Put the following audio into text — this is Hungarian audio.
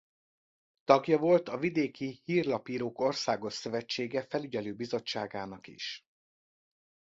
Tagja volt a Vidéki Hírlapírók Országos Szövetsége felügyelő bizottságának is.